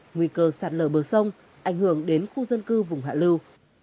nguy cơ sạt lở bờ sông ảnh hưởng đến khu dân cư vùng hạ lưu